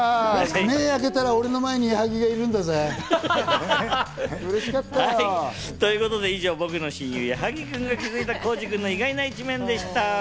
目を開けたら矢作がいるんだよ。ということで以上、僕の親友・矢作君が気づいた浩次君の意外な一面でした。